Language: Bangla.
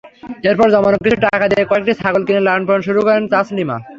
এরপর জমানো কিছু টাকা দিয়ে কয়েকটি ছাগল কিনে লালন-পালন শুরু করেন তাসলিমা।